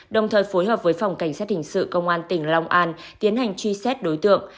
đồng thời phối hợp với phòng cảnh sát hình sự công an tỉnh long an tiến hành truy xét đối tượng